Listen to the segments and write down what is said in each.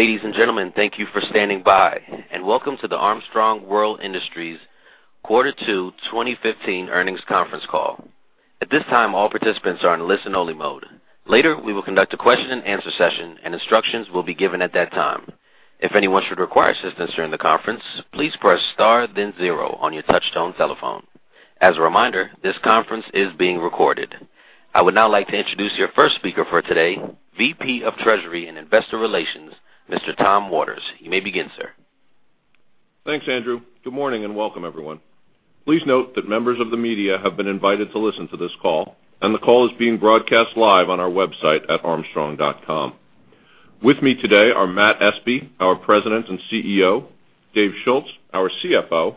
Ladies and gentlemen, thank you for standing by, and welcome to the Armstrong World Industries Q2 2015 Earnings Conference Call. At this time, all participants are in listen only mode. Later, we will conduct a question and answer session and instructions will be given at that time. If anyone should require assistance during the conference, please press star then zero on your touchtone telephone. As a reminder, this conference is being recorded. I would now like to introduce your first speaker for today, VP of Treasury and Investor Relations, Mr. Tom Waters. You may begin, sir. Thanks, Andrew. Good morning and welcome everyone. Please note that members of the media have been invited to listen to this call. The call is being broadcast live on our website at armstrong.com. With me today are Matt Espe, our President and CEO, Dave Schulz, our CFO,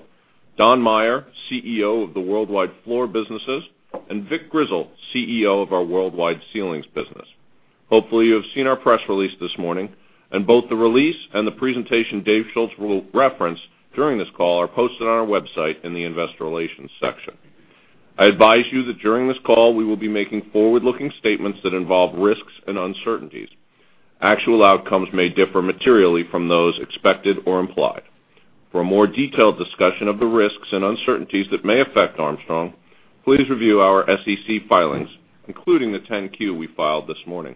Don Maier, CEO of the Worldwide Floor Businesses, and Vic Grizzle, CEO of our Worldwide Ceilings Business. Hopefully, you have seen our press release this morning. Both the release and the presentation Dave Schulz will reference during this call are posted on our website in the investor relations section. I advise you that during this call, we will be making forward-looking statements that involve risks and uncertainties. Actual outcomes may differ materially from those expected or implied. For a more detailed discussion of the risks and uncertainties that may affect Armstrong, please review our SEC filings, including the 10-Q we filed this morning.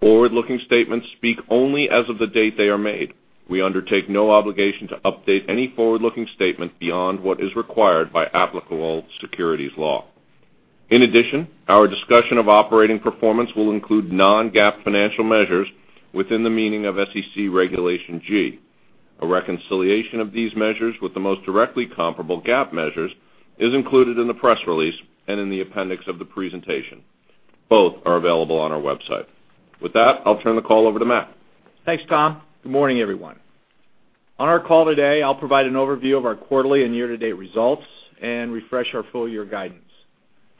Forward-looking statements speak only as of the date they are made. We undertake no obligation to update any forward-looking statement beyond what is required by applicable securities law. Our discussion of operating performance will include non-GAAP financial measures within the meaning of SEC Regulation G. A reconciliation of these measures with the most directly comparable GAAP measures is included in the press release and in the appendix of the presentation. Both are available on our website. With that, I'll turn the call over to Matt. Thanks, Tom. Good morning, everyone. On our call today, I'll provide an overview of our quarterly and year-to-date results and refresh our full-year guidance.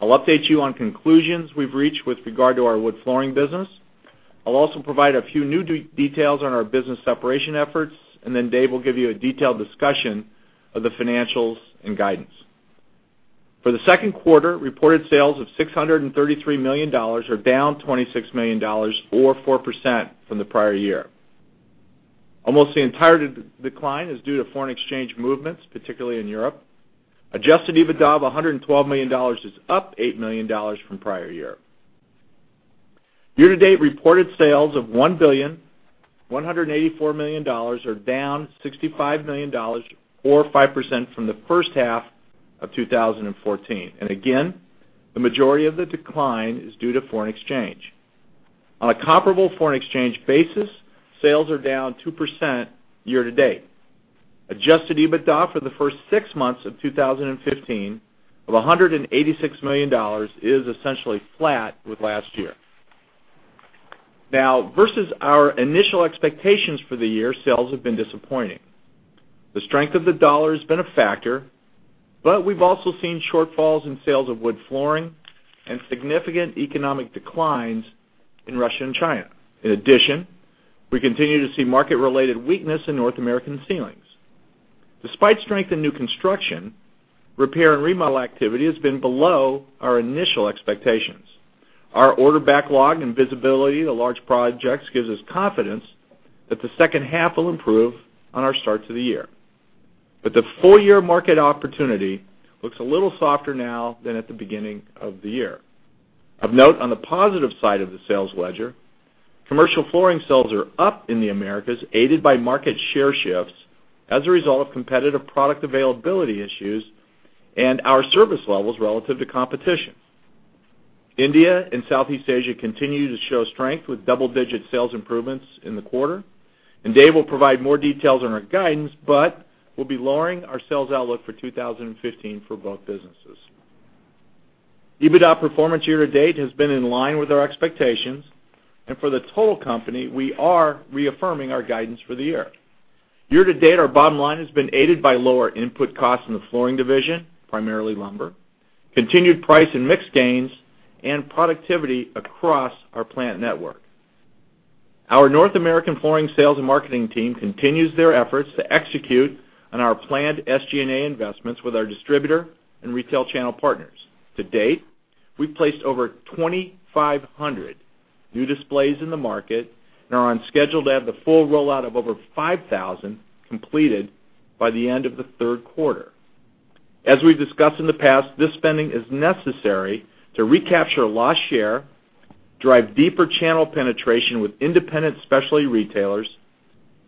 I'll update you on conclusions we've reached with regard to our wood flooring business. I'll also provide a few new details on our business separation efforts. Dave will give you a detailed discussion of the financials and guidance. For the second quarter, reported sales of $633 million are down $26 million or 4% from the prior year. Almost the entire decline is due to foreign exchange movements, particularly in Europe. Adjusted EBITDA of $112 million is up $8 million from prior year. Year-to-date, reported sales of $1 billion, $184 million are down $65 million or 5% from the first half of 2014. Again, the majority of the decline is due to foreign exchange. On a comparable foreign exchange basis, sales are down 2% year to date. Adjusted EBITDA for the first six months of 2015 of $186 million is essentially flat with last year. Versus our initial expectations for the year, sales have been disappointing. The strength of the dollar has been a factor, but we've also seen shortfalls in sales of wood flooring and significant economic declines in Russia and China. In addition, we continue to see market-related weakness in North American ceilings. Despite strength in new construction, repair and remodel activity has been below our initial expectations. Our order backlog and visibility to large projects gives us confidence that the second half will improve on our starts of the year. The full-year market opportunity looks a little softer now than at the beginning of the year. Of note, on the positive side of the sales ledger, commercial flooring sales are up in the Americas, aided by market share shifts as a result of competitive product availability issues and our service levels relative to competition. India and Southeast Asia continue to show strength with double-digit sales improvements in the quarter. Dave will provide more details on our guidance, but we'll be lowering our sales outlook for 2015 for both businesses. EBITDA performance year to date has been in line with our expectations. For the total company, we are reaffirming our guidance for the year. Year to date, our bottom line has been aided by lower input costs in the flooring division, primarily lumber, continued price and mix gains, and productivity across our plant network. Our North American flooring sales and marketing team continues their efforts to execute on our planned SG&A investments with our distributor and retail channel partners. To date, we've placed over 2,500 new displays in the market and are on schedule to have the full rollout of over 5,000 completed by the end of the third quarter. As we've discussed in the past, this spending is necessary to recapture lost share, drive deeper channel penetration with independent specialty retailers,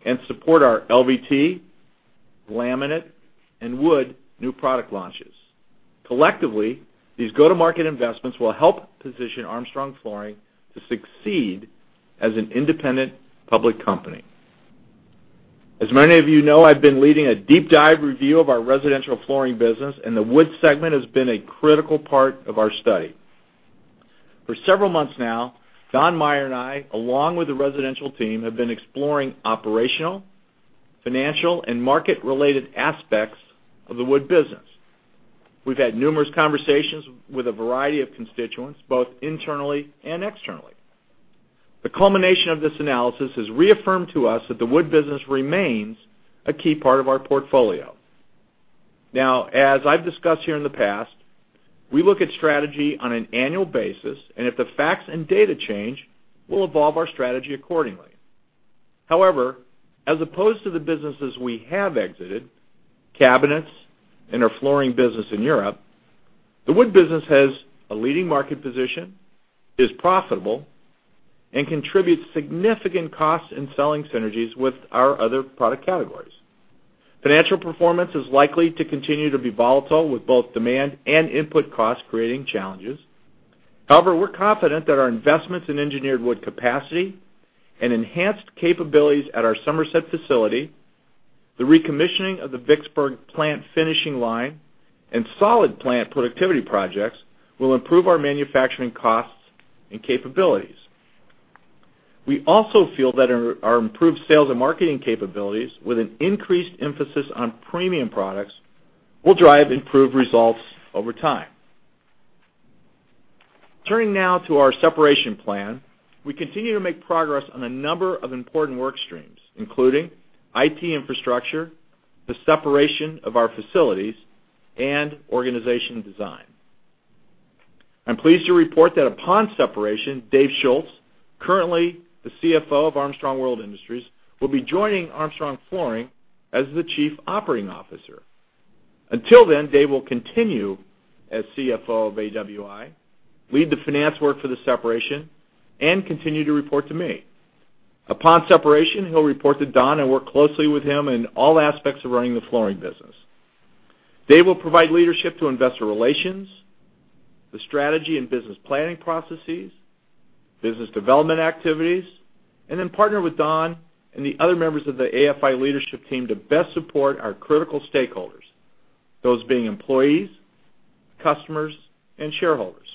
and support our LVT, laminate, and wood new product launches. Collectively, these go-to-market investments will help position Armstrong Flooring to succeed as an independent public company. As many of you know, I've been leading a deep dive review of our residential flooring business. The wood segment has been a critical part of our study. For several months now, Don Maier and I, along with the residential team, have been exploring operational, financial, and market-related aspects of the wood business. We've had numerous conversations with a variety of constituents, both internally and externally. The culmination of this analysis has reaffirmed to us that the wood business remains a key part of our portfolio. As I've discussed here in the past, we look at strategy on an annual basis. If the facts and data change, we'll evolve our strategy accordingly. As opposed to the businesses we have exited, Cabinets and our flooring business in Europe, the Wood business has a leading market position, is profitable, and contributes significant cost and selling synergies with our other product categories. Financial performance is likely to continue to be volatile, with both demand and input costs creating challenges. However, we're confident that our investments in engineered wood capacity and enhanced capabilities at our Somerset facility, the recommissioning of the Vicksburg plant finishing line, and solid plant productivity projects will improve our manufacturing costs and capabilities. We also feel that our improved sales and marketing capabilities with an increased emphasis on premium products will drive improved results over time. Turning now to our separation plan. We continue to make progress on a number of important work streams, including IT infrastructure, the separation of our facilities, and organization design. I'm pleased to report that upon separation, Dave Schulz, currently the Chief Financial Officer of Armstrong World Industries, will be joining Armstrong Flooring as the Chief Operating Officer. Until then, Dave will continue as Chief Financial Officer of AWI, lead the finance work for the separation, and continue to report to me. Upon separation, he'll report to Don and work closely with him in all aspects of running the Flooring business. Dave will provide leadership to investor relations, the strategy and business planning processes, business development activities, and then partner with Don and the other members of the AFI leadership team to best support our critical stakeholders, those being employees, customers, and shareholders.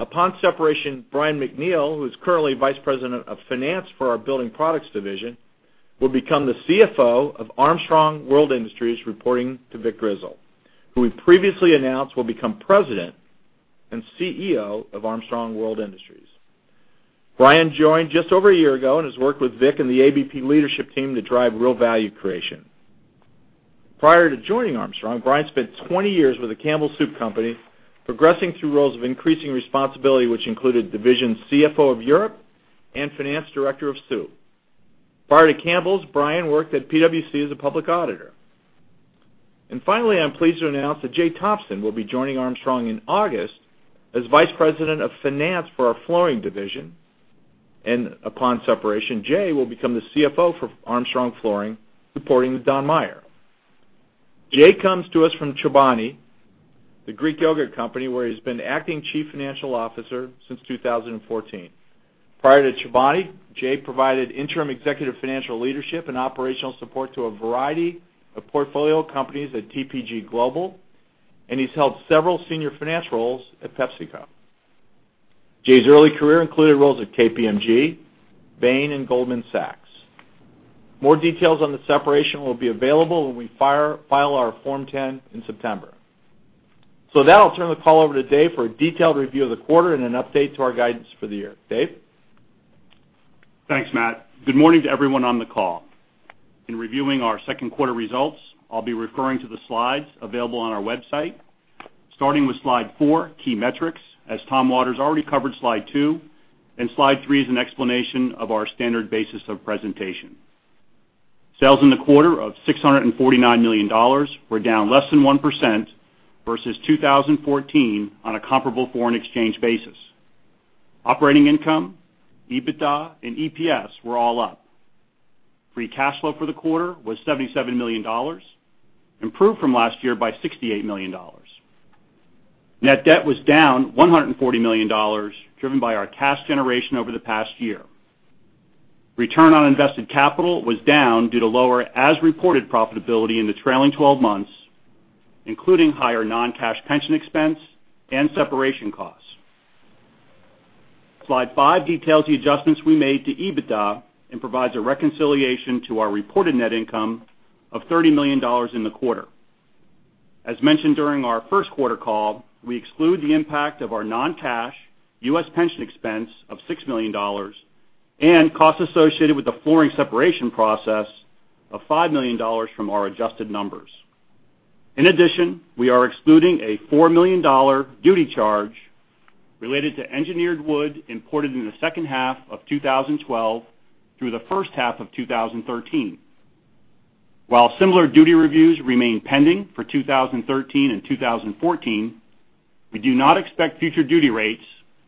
Upon separation, Brian MacNeal, who's currently Vice President of Finance for our Building Products division, will become the Chief Financial Officer of Armstrong World Industries, reporting to Vic Grizzle, who we previously announced will become President and Chief Executive Officer of Armstrong World Industries. Brian joined just over a year ago and has worked with Vic and the ABP leadership team to drive real value creation. Prior to joining Armstrong, Brian spent 20 years with the Campbell Soup Company, progressing through roles of increasing responsibility, which included Division Chief Financial Officer of Europe and Finance Director of Soup. Prior to Campbell's, Brian worked at PwC as a public auditor. Finally, I'm pleased to announce that Jay Thompson will be joining Armstrong in August as Vice President of Finance for our Flooring division, and upon separation, Jay will become the Chief Financial Officer for Armstrong Flooring, reporting to Don Maier. Jay comes to us from Chobani, the Greek yogurt company, where he's been Acting Chief Financial Officer since 2014. Prior to Chobani, Jay provided interim executive financial leadership and operational support to a variety of portfolio companies at TPG Global, and he's held several senior finance roles at PepsiCo. Jay's early career included roles at KPMG, Bain, and Goldman Sachs. More details on the separation will be available when we file our Form 10 in September. With that, I'll turn the call over to Dave for a detailed review of the quarter and an update to our guidance for the year. Dave? Thanks, Matt. Good morning to everyone on the call. In reviewing our second quarter results, I'll be referring to the slides available on our website, starting with Slide 4, Key Metrics, as Tom Waters already covered Slide two, and Slide three is an explanation of our standard basis of presentation. Sales in the quarter of $649 million were down less than 1% versus 2014 on a comparable foreign exchange basis. Operating income, EBITDA, and EPS were all up. Free cash flow for the quarter was $77 million, improved from last year by $68 million. Net debt was down $140 million, driven by our cash generation over the past year. Return on invested capital was down due to lower as-reported profitability in the trailing 12 months, including higher non-cash pension expense and separation costs. Slide five details the adjustments we made to EBITDA and provides a reconciliation to our reported net income of $30 million in the quarter. As mentioned during our first quarter call, we exclude the impact of our non-cash U.S. pension expense of $6 million and costs associated with the Flooring separation process of $5 million from our adjusted numbers. In addition, we are excluding a $4 million duty charge related to engineered wood imported in the second half of 2012 through the first half of 2013. While similar duty reviews remain pending for 2013 and 2014, we do not expect future duty rates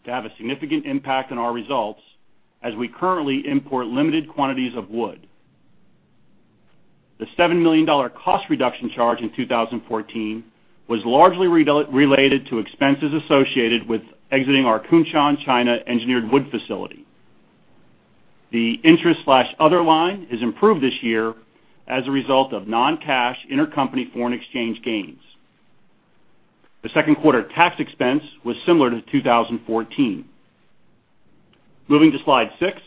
to have a significant impact on our results, as we currently import limited quantities of wood. The $7 million cost reduction charge in 2014 was largely related to expenses associated with exiting our Kunshan, China, engineered wood facility. The interest/other line is improved this year as a result of non-cash intercompany foreign exchange gains. The second quarter tax expense was similar to 2014. Moving to Slide six.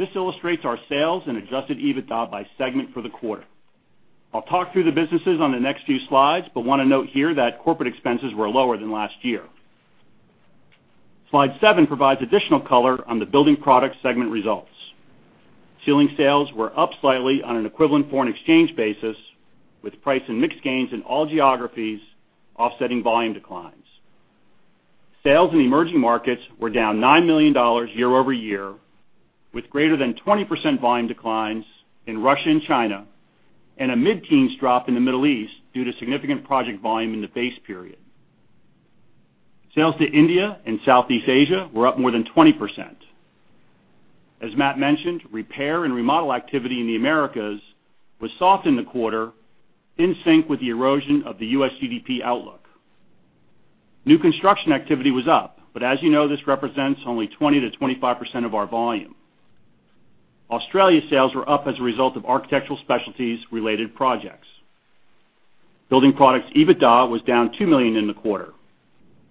This illustrates our sales and adjusted EBITDA by segment for the quarter. I'll talk through the businesses on the next few slides, but want to note here that corporate expenses were lower than last year. Slide seven provides additional color on the Building Products segment results. Ceiling sales were up slightly on an equivalent foreign exchange basis, with price and mix gains in all geographies offsetting volume declines. Sales in emerging markets were down $9 million year-over-year, with greater than 20% volume declines in Russia and China and a mid-teens drop in the Middle East due to significant project volume in the base period. Sales to India and Southeast Asia were up more than 20%. As Matt mentioned, repair and remodel activity in the Americas was soft in the quarter, in sync with the erosion of the U.S. GDP outlook. New construction activity was up, but as you know, this represents only 20%-25% of our volume. Australia sales were up as a result of architectural specialties related projects. Building Products EBITDA was down $2 million in the quarter.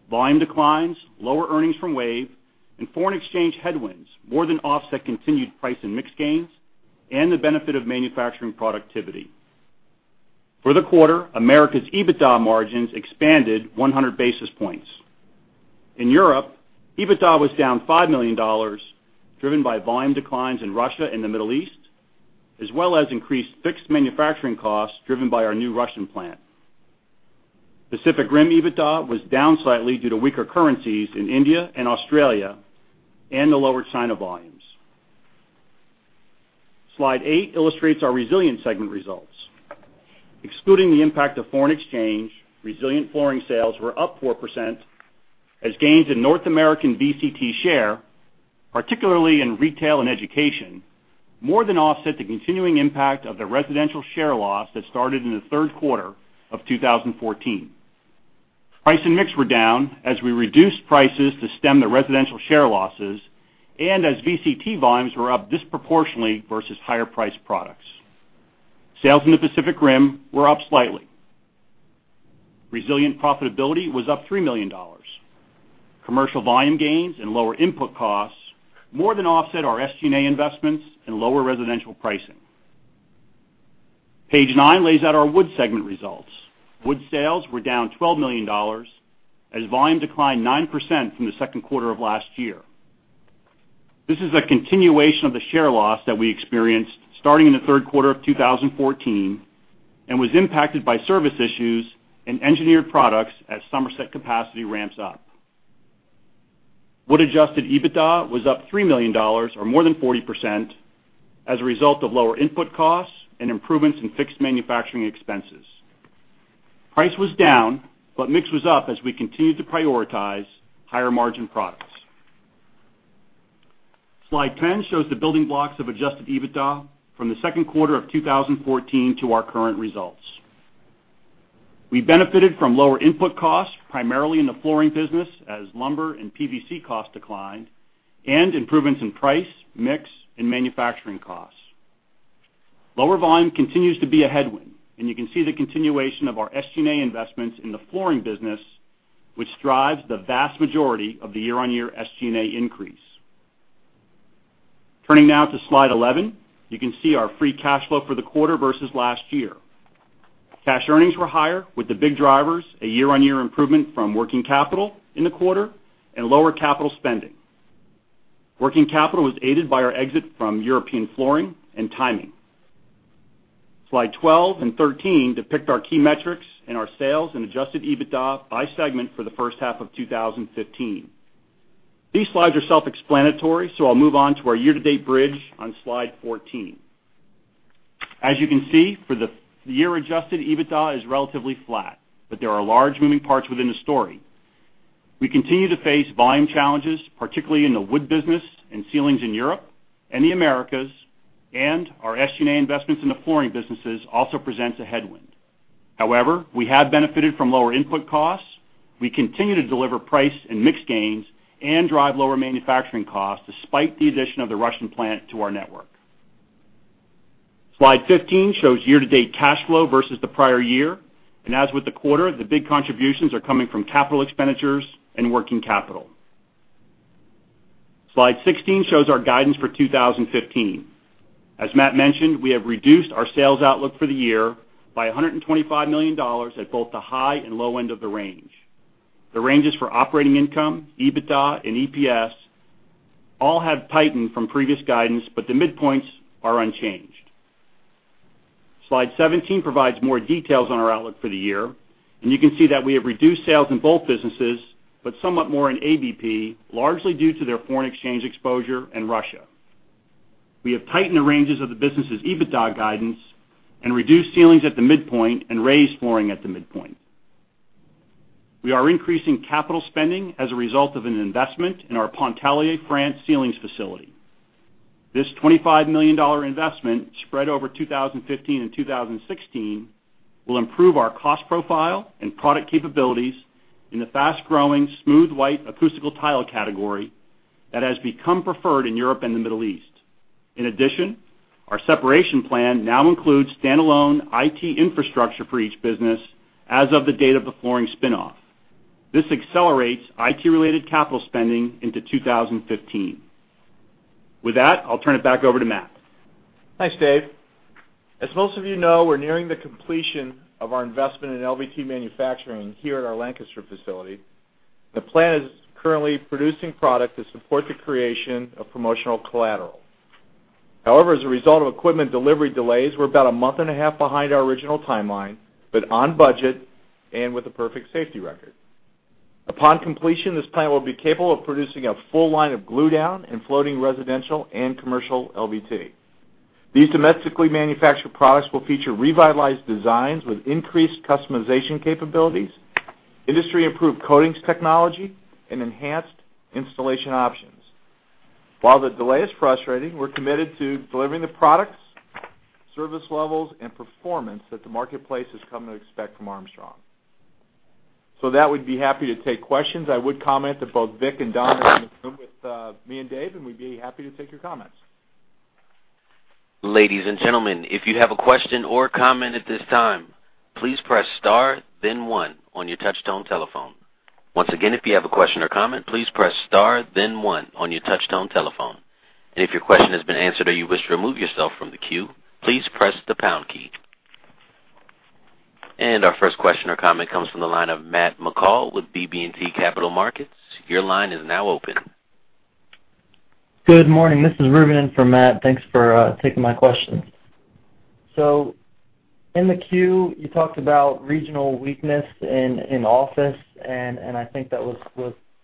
Volume declines, lower earnings from WAVE and foreign exchange headwinds more than offset continued price and mix gains and the benefit of manufacturing productivity. For the quarter, Americas EBITDA margins expanded 100 basis points. In Europe, EBITDA was down $5 million, driven by volume declines in Russia and the Middle East, as well as increased fixed manufacturing costs driven by our new Russian plant. Pacific Rim EBITDA was down slightly due to weaker currencies in India and Australia and the lower China volumes. Slide eight illustrates our resilient segment results. Excluding the impact of foreign exchange, resilient flooring sales were up 4% as gains in North American VCT share, particularly in retail and education, more than offset the continuing impact of the residential share loss that started in the third quarter of 2014. Price and mix were down as we reduced prices to stem the residential share losses and as VCT volumes were up disproportionately versus higher priced products. Sales in the Pacific Rim were up slightly. Resilient profitability was up $3 million. Commercial volume gains and lower input costs more than offset our SG&A investments and lower residential pricing. Page nine lays out our wood segment results. Wood sales were down $12 million as volume declined 9% from the second quarter of last year. This is a continuation of the share loss that we experienced starting in the third quarter of 2014 and was impacted by service issues and engineered products as Somerset capacity ramps up. Wood-adjusted EBITDA was up $3 million, or more than 40%, as a result of lower input costs and improvements in fixed manufacturing expenses. Mix was up as we continued to prioritize higher-margin products. Slide 10 shows the building blocks of adjusted EBITDA from the second quarter of 2014 to our current results. We benefited from lower input costs, primarily in the flooring business, as lumber and PVC costs declined, and improvements in price, mix, and manufacturing costs. Lower volume continues to be a headwind. You can see the continuation of our SG&A investments in the flooring business, which drives the vast majority of the year-on-year SG&A increase. Turning now to slide 11. You can see our free cash flow for the quarter versus last year. Cash earnings were higher with the big drivers, a year-on-year improvement from working capital in the quarter and lower capital spending. Working capital was aided by our exit from European flooring and timing. Slide 12 and 13 depict our key metrics in our sales and adjusted EBITDA by segment for the first half of 2015. These slides are self-explanatory. I'll move on to our year-to-date bridge on slide 14. As you can see, for the year, adjusted EBITDA is relatively flat. There are large moving parts within the story. We continue to face volume challenges, particularly in the wood business and ceilings in Europe and the Americas. Our SG&A investments in the flooring businesses also presents a headwind. However, we have benefited from lower input costs. We continue to deliver price and mix gains and drive lower manufacturing costs despite the addition of the Russian plant to our network. Slide 15 shows year-to-date cash flow versus the prior year. As with the quarter, the big contributions are coming from capital expenditures and working capital. Slide 16 shows our guidance for 2015. As Matt mentioned, we have reduced our sales outlook for the year by $125 million at both the high and low end of the range. The ranges for operating income, EBITDA, and EPS all have tightened from previous guidance. The midpoints are unchanged. Slide 17 provides more details on our outlook for the year. You can see that we have reduced sales in both businesses, but somewhat more in ABP, largely due to their foreign exchange exposure and Russia. We have tightened the ranges of the business' EBITDA guidance and reduced ceilings at the midpoint and raised flooring at the midpoint. We are increasing capital spending as a result of an investment in our Pontarlier, France, ceilings facility. This $25 million investment, spread over 2015 and 2016, will improve our cost profile and product capabilities in the fast-growing smooth white acoustical tile category that has become preferred in Europe and the Middle East. In addition, our separation plan now includes standalone IT infrastructure for each business as of the date of the flooring spin-off. This accelerates IT-related capital spending into 2015. I'll turn it back over to Matt. Thanks, Dave. As most of you know, we're nearing the completion of our investment in LVT manufacturing here at our Lancaster facility. The plant is currently producing product to support the creation of promotional collateral. However, as a result of equipment delivery delays, we're about a month and a half behind our original timeline, but on budget and with a perfect safety record. Upon completion, this plant will be capable of producing a full line of glue-down and floating residential and commercial LVT. These domestically manufactured products will feature revitalized designs with increased customization capabilities, industry-approved coatings technology, and enhanced installation options. While the delay is frustrating, we're committed to delivering the products, service levels, and performance that the marketplace has come to expect from Armstrong. With that, we'd be happy to take questions. I would comment that both Vic and Don are in the room with me and Dave. We'd be happy to take your comments. Ladies and gentlemen, if you have a question or comment at this time, please press star then one on your touchtone telephone. Once again, if you have a question or comment, please press star then one on your touchtone telephone. If your question has been answered or you wish to remove yourself from the queue, please press the pound key. Our first question or comment comes from the line of Matt McCall with BB&T Capital Markets. Your line is now open. Good morning. This is Reuben in for Matt. Thanks for taking my questions. In the queue, you talked about regional weakness in office, and I think that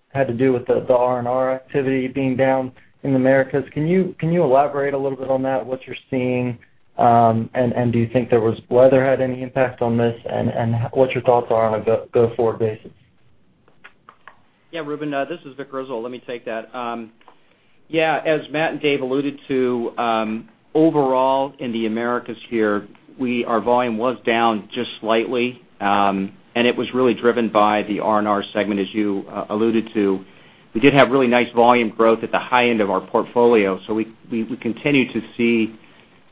had to do with the R&R activity being down in the Americas. Can you elaborate a little bit on that, what you're seeing? And do you think the weather had any impact on this, and what's your thoughts are on a go-forward basis? Reuben, this is Vic Grizzle. Let me take that. As Matt and Dave alluded to, overall in the Americas here, our volume was down just slightly, and it was really driven by the R&R segment, as you alluded to. We did have really nice volume growth at the high end of our portfolio. We continue to see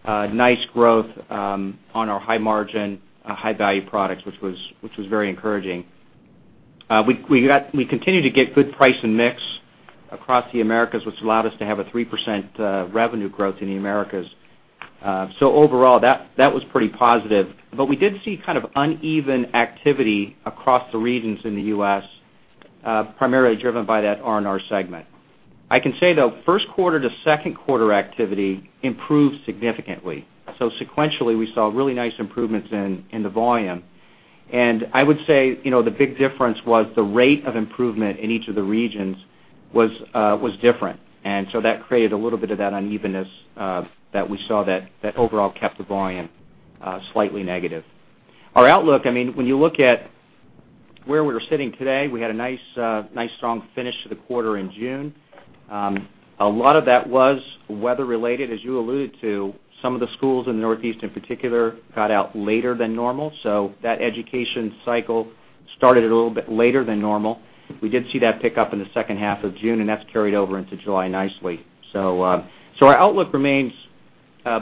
nice growth on our high-margin, high-value products, which was very encouraging. We continue to get good price and mix across the Americas, which allowed us to have a 3% revenue growth in the Americas. Overall, that was pretty positive, but we did see kind of uneven activity across the regions in the U.S., primarily driven by that R&R segment. I can say, though, first quarter to second quarter activity improved significantly. Sequentially, we saw really nice improvements in the volume. I would say, the big difference was the rate of improvement in each of the regions was different, that created a little bit of that unevenness that we saw that overall kept the volume slightly negative. Our outlook, when you look at where we're sitting today, we had a nice strong finish to the quarter in June. A lot of that was weather related, as you alluded to. Some of the schools in the Northeast, in particular, got out later than normal, that education cycle started a little bit later than normal. We did see that pick up in the second half of June, that's carried over into July nicely. Our outlook remains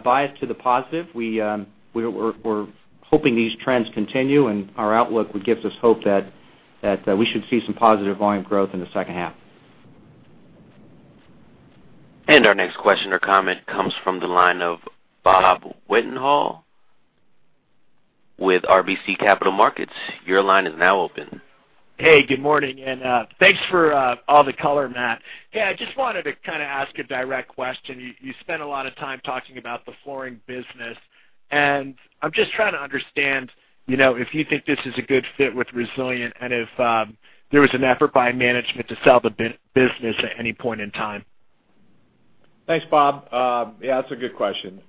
biased to the positive. We're hoping these trends continue, our outlook gives us hope that we should see some positive volume growth in the second half. Our next question or comment comes from the line of Robert Wetenhall with RBC Capital Markets. Your line is now open. Hey, good morning, and thanks for all the color, Matt. Yeah, I just wanted to kind of ask a direct question. You spent a lot of time talking about the flooring business, and I'm just trying to understand, if you think this is a good fit with Resilient and if there was an effort by management to sell the business at any point in time. Thanks, Bob. Yeah, that's a good question.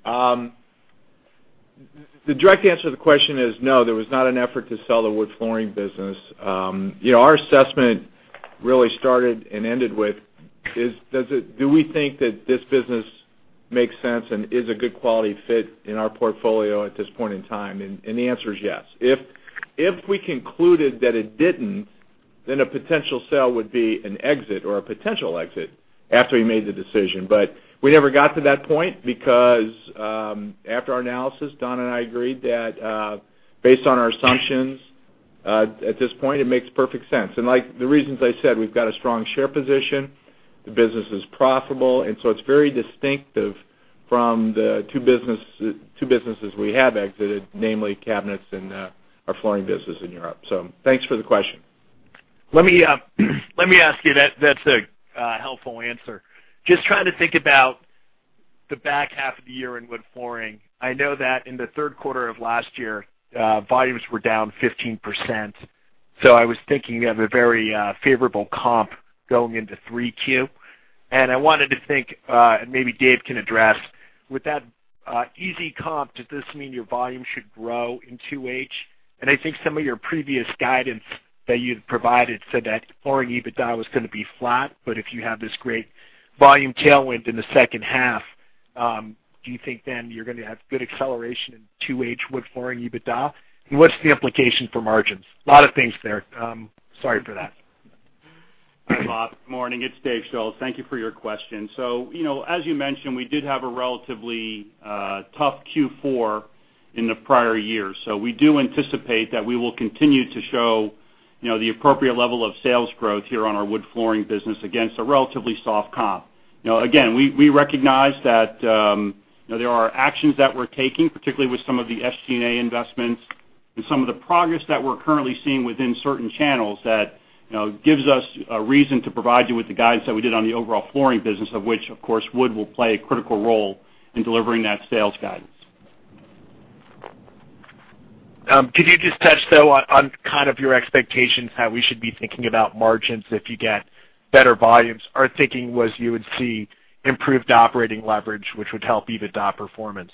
The direct answer to the question is no, there was not an effort to sell the wood flooring business. Our assessment really started and ended with, do we think that this business makes sense and is a good quality fit in our portfolio at this point in time? The answer is yes. If we concluded that it didn't, then a potential sale would be an exit or a potential exit after we made the decision. We never got to that point because, after our analysis, Don and I agreed that based on our assumptions, at this point, it makes perfect sense. Like the reasons I said, we've got a strong share position. The business is profitable, it's very distinctive from the two businesses we have exited, namely cabinets and our flooring business in Europe. Thanks for the question. Let me ask you, that's a helpful answer. Just trying to think about the back half of the year in wood flooring. I know that in the third quarter of last year, volumes were down 15%, I was thinking of a very favorable comp going into 3Q. I wanted to think, and maybe Dave can address, with that easy comp, does this mean your volume should grow in 2H? I think some of your previous guidance that you'd provided said that flooring EBITDA was going to be flat, if you have this great volume tailwind in the second half, do you think then you're going to have good acceleration in 2H wood flooring EBITDA? What's the implication for margins? A lot of things there. Sorry for that. Hi, Bob. Morning. It's Dave Schulz. Thank you for your question. As you mentioned, we did have a relatively tough Q4 in the prior year. We do anticipate that we will continue to show the appropriate level of sales growth here on our wood flooring business against a relatively soft comp. Again, we recognize that there are actions that we're taking, particularly with some of the SG&A investments and some of the progress that we're currently seeing within certain channels that gives us a reason to provide you with the guidance that we did on the overall flooring business, of which, of course, wood will play a critical role in delivering that sales guidance. Could you just touch, though, on your expectations, how we should be thinking about margins if you get better volumes? Our thinking was you would see improved operating leverage, which would help EBITDA performance.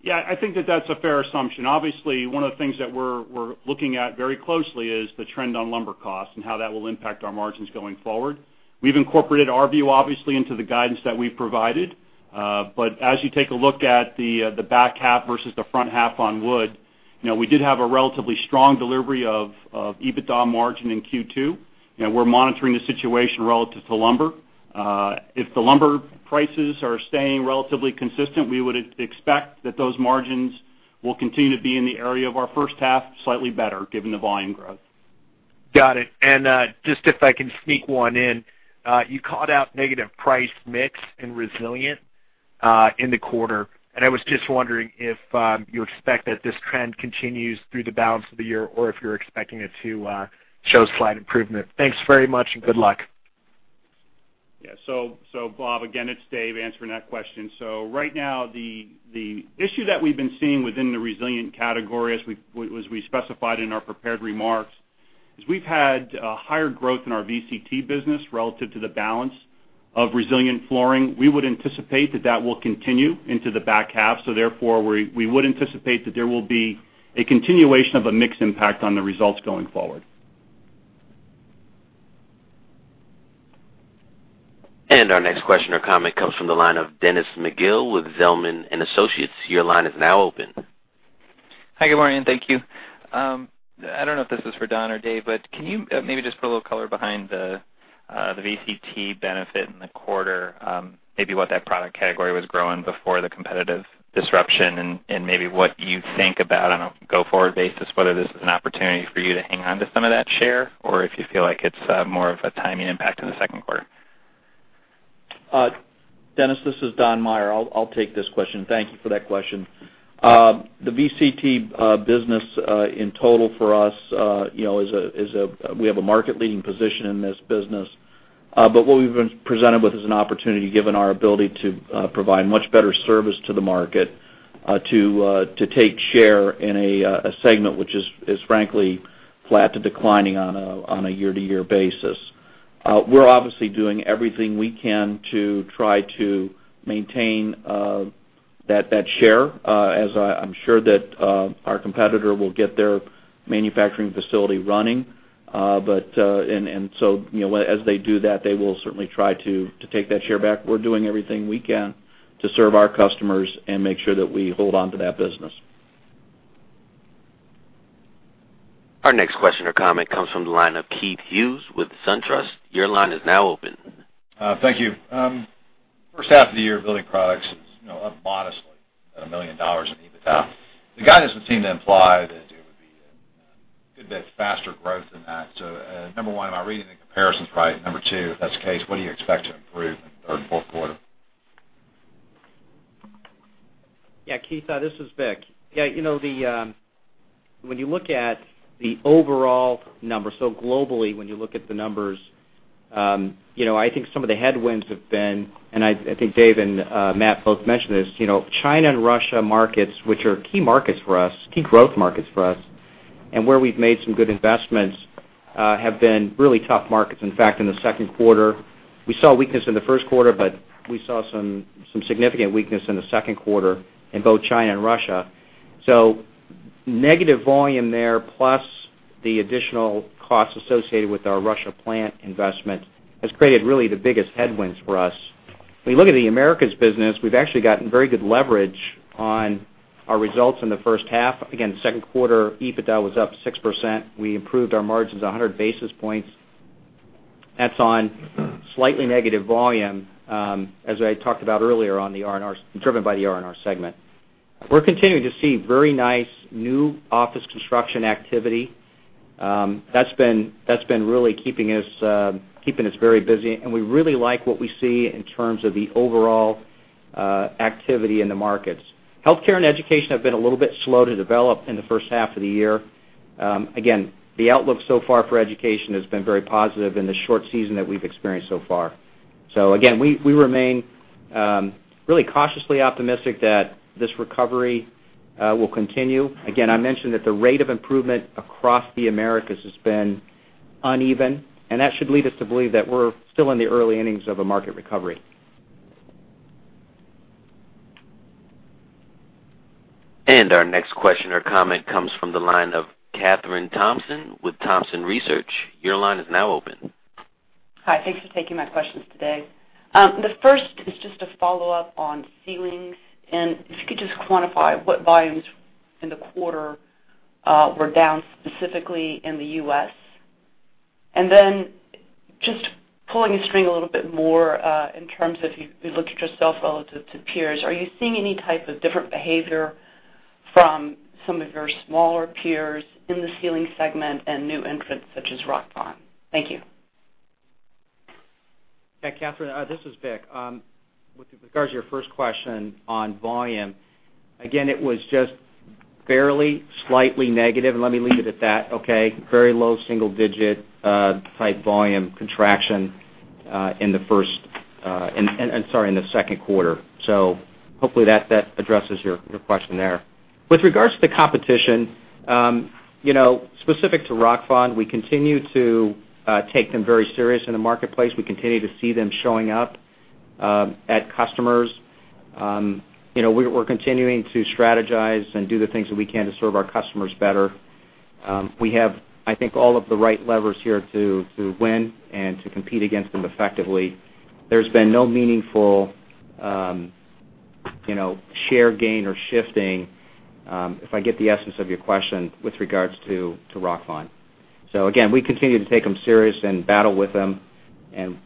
Yeah, I think that that's a fair assumption. Obviously, one of the things that we're looking at very closely is the trend on lumber costs and how that will impact our margins going forward. We've incorporated our view, obviously, into the guidance that we've provided. As you take a look at the back half versus the front half on wood, we did have a relatively strong delivery of EBITDA margin in Q2. We're monitoring the situation relative to lumber. If the lumber prices are staying relatively consistent, we would expect that those margins will continue to be in the area of our first half, slightly better, given the volume growth. Got it. Just if I can sneak one in. You called out negative price mix in resilient in the quarter, and I was just wondering if you expect that this trend continues through the balance of the year, or if you're expecting it to show slight improvement. Thanks very much, and good luck. Bob, again, it's Dave answering that question. Right now, the issue that we've been seeing within the resilient category, as we specified in our prepared remarks, is we've had a higher growth in our VCT business relative to the balance of resilient flooring. We would anticipate that that will continue into the back half. Therefore, we would anticipate that there will be a continuation of a mix impact on the results going forward. Our next question or comment comes from the line of Dennis McGill with Zelman & Associates. Your line is now open. Hi, good morning, thank you. I don't know if this is for Don or Dave, but can you maybe just put a little color behind the VCT benefit in the quarter, maybe what that product category was growing before the competitive disruption and maybe what you think about, on a go-forward basis, whether this is an opportunity for you to hang on to some of that share, or if you feel like it's more of a timing impact in the second quarter? Dennis, this is Don Maier. I'll take this question. Thank you for that question. The VCT business in total for us, we have a market-leading position in this business. What we've been presented with is an opportunity, given our ability to provide much better service to the market, to take share in a segment which is frankly flat to declining on a year-to-year basis. We're obviously doing everything we can to try to maintain that share, as I'm sure that our competitor will get their manufacturing facility running. As they do that, they will certainly try to take that share back. We're doing everything we can to serve our customers and make sure that we hold onto that business. Our next question or comment comes from the line of Keith Hughes with SunTrust. Your line is now open. Thank you. First half of the year, Building Products is up modestly at $1 million in EBITDA. The guidance would seem to imply that it would be a good bit faster growth than that. Number one, am I reading the comparisons right? Number two, if that's the case, what do you expect to improve in the third and fourth quarter? Keith, this is Vic. When you look at the overall numbers, globally, when you look at the numbers, I think some of the headwinds have been, and I think Dave and Matt both mentioned this, China and Russia markets, which are key markets for us, key growth markets for us, and where we've made some good investments, have been really tough markets. In fact, in the second quarter, we saw some significant weakness in the second quarter in both China and Russia. Negative volume there, plus the additional costs associated with our Russia plant investment, has created really the biggest headwinds for us. When you look at the Americas business, we've actually gotten very good leverage on our results in the first half. Again, second quarter, EBITDA was up 6%. We improved our margins 100 basis points. That's on slightly negative volume, as I talked about earlier, driven by the R&R segment. We're continuing to see very nice new office construction activity. That's been really keeping us very busy, and we really like what we see in terms of the overall activity in the markets. Healthcare and education have been a little bit slow to develop in the first half of the year. Again, the outlook so far for education has been very positive in the short season that we've experienced so far. Again, we remain really cautiously optimistic that this recovery will continue. Again, I mentioned that the rate of improvement across the Americas has been uneven, and that should lead us to believe that we're still in the early innings of a market recovery. Our next question or comment comes from the line of Kathryn Thompson with Thompson Research. Your line is now open. Hi, thanks for taking my questions today. The first is just a follow-up on ceilings, and if you could just quantify what volumes in the quarter were down, specifically in the U.S. Just pulling the string a little bit more in terms of you looked at yourself relative to peers. Are you seeing any type of different behavior From some of your smaller peers in the ceiling segment and new entrants such as Rockfon. Thank you. Yeah, Kathryn, this is Vic. With regards to your first question on volume, again, it was just barely slightly negative, and let me leave it at that, okay? Very low single-digit type volume contraction in the second quarter. Hopefully that addresses your question there. With regards to competition, specific to Rockfon, we continue to take them very serious in the marketplace. We continue to see them showing up at customers. We're continuing to strategize and do the things that we can to serve our customers better. We have, I think, all of the right levers here to win and to compete against them effectively. There's been no meaningful share gain or shifting, if I get the essence of your question, with regards to Rockfon. Again, we continue to take them serious and battle with them, and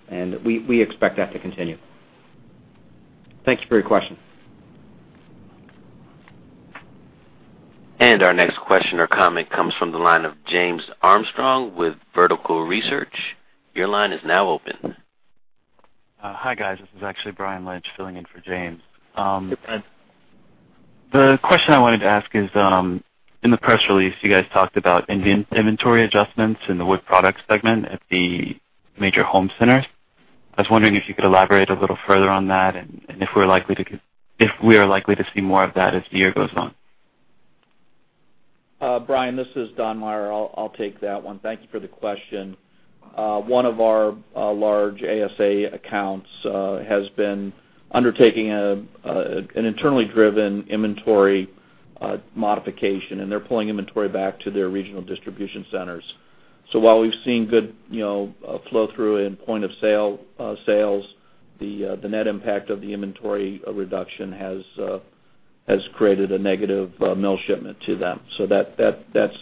we expect that to continue. Thanks for your question. Our next question or comment comes from the line of James Armstrong with Vertical Research. Your line is now open. Hi, guys. This is actually Brian Lynch filling in for James. Hey, Brian. The question I wanted to ask is, in the press release, you guys talked about inventory adjustments in the wood products segment at the major home centers. I was wondering if you could elaborate a little further on that, and if we are likely to see more of that as the year goes on. Brian, this is Don Maier. I'll take that one. Thank you for the question. One of our large ASA accounts has been undertaking an internally driven inventory modification, and they're pulling inventory back to their regional distribution centers. While we've seen good flow through in point-of-sale sales, the net impact of the inventory reduction has created a negative mill shipment to them. That's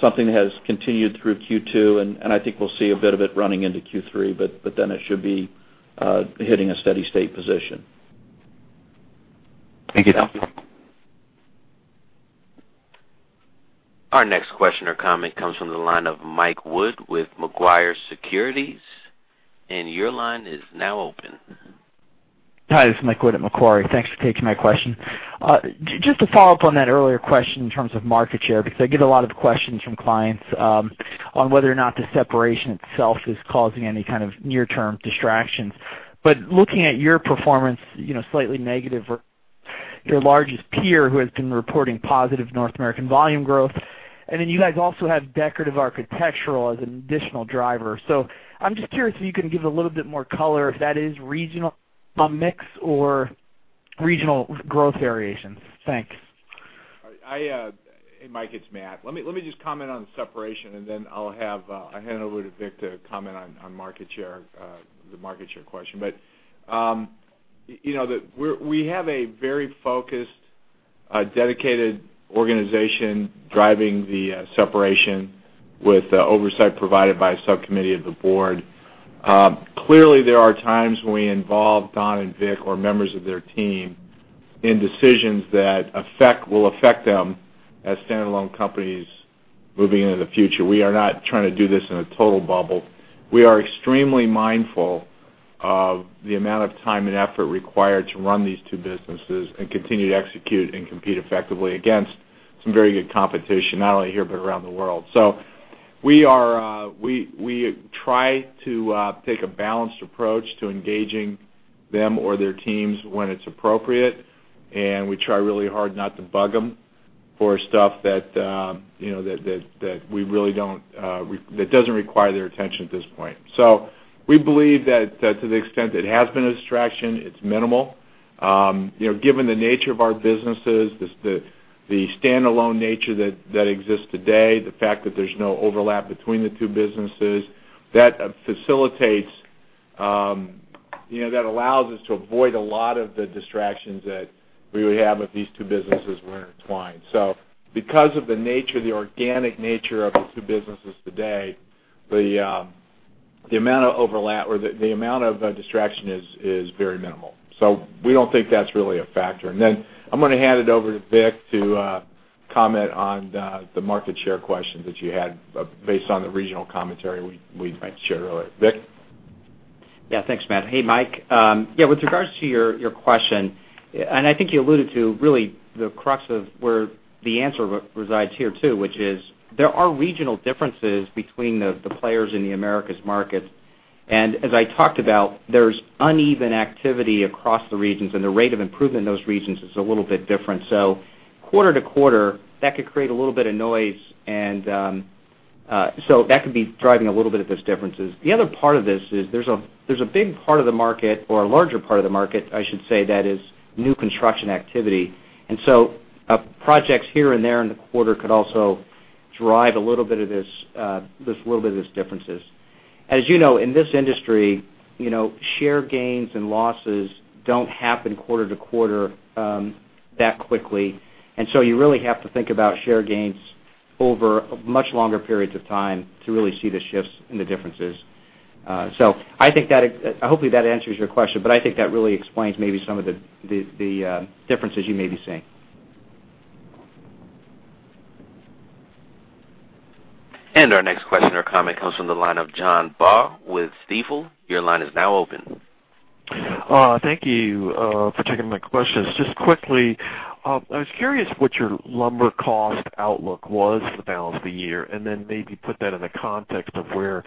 something that has continued through Q2, and I think we'll see a bit of it running into Q3, then it should be hitting a steady state position. Thank you, Don. Thank you. Our next question or comment comes from the line of Michael Wood with Macquarie Securities, your line is now open. Hi, this is Michael Wood at Macquarie. Thanks for taking my question. Just to follow up on that earlier question in terms of market share, because I get a lot of questions from clients on whether or not the separation itself is causing any kind of near-term distractions. Looking at your performance, slightly negative versus your largest peer who has been reporting positive North American volume growth, and then you guys also have decorative architectural as an additional driver. I'm just curious if you can give a little bit more color if that is regional mix or regional growth variations. Thanks. Mike, it's Matt. Let me just comment on the separation, and then I'll hand it over to Vic to comment on the market share question. We have a very focused, dedicated organization driving the separation with oversight provided by a subcommittee of the board. Clearly, there are times when we involve Don and Vic or members of their team in decisions that will affect them as standalone companies moving into the future. We are not trying to do this in a total bubble. We are extremely mindful of the amount of time and effort required to run these two businesses and continue to execute and compete effectively against some very good competition, not only here but around the world. We try to take a balanced approach to engaging them or their teams when it's appropriate, and we try really hard not to bug them for stuff that doesn't require their attention at this point. We believe that to the extent it has been a distraction, it's minimal. Given the nature of our businesses, the standalone nature that exists today, the fact that there's no overlap between the two businesses, that allows us to avoid a lot of the distractions that we would have if these two businesses were intertwined. Because of the organic nature of the two businesses today, the amount of distraction is very minimal. We don't think that's really a factor. I'm going to hand it over to Vic to comment on the market share question that you had based on the regional commentary we shared earlier. Vic? Yeah. Thanks, Matt. Hey, Mike. With regards to your question, and I think you alluded to really the crux of where the answer resides here, too, which is there are regional differences between the players in the Americas market. As I talked about, there's uneven activity across the regions, and the rate of improvement in those regions is a little bit different. Quarter to quarter, that could create a little bit of noise, and so that could be driving a little bit of those differences. The other part of this is there's a big part of the market, or a larger part of the market, I should say, that is new construction activity. Projects here and there in the quarter could also drive a little bit of these differences. As you know, in this industry, share gains and losses don't happen quarter to quarter that quickly. You really have to think about share gains over much longer periods of time to really see the shifts and the differences. I think that, hopefully, that answers your question, but I think that really explains maybe some of the differences you may be seeing. Our next question or comment comes from the line of John Baugh with Stifel. Your line is now open. Thank you for taking my questions. Just quickly, I was curious what your lumber cost outlook was for the balance of the year, maybe put that in the context of where